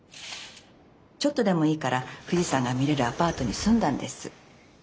ちょっとでもいいから富士山が見れるアパートに住んだんです。